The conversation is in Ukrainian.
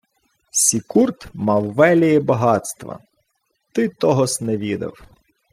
— Сікурд мав велії багатства. Ти того-с не відав.